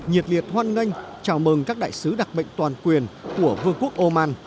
nhiệt liệt hoan nghênh chào mừng các đại sứ đặc mệnh toàn quyền của vương quốc oman